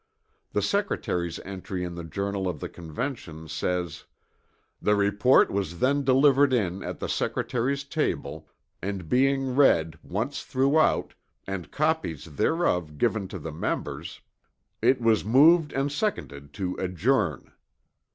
The Secretary's entry in the Journal of the Convention says, "The report was then delivered in at the Secretary's table, and being read once throughout, and copies thereof given to the members, it was moved and seconded to adjourn."